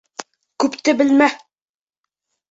Күпте белмә!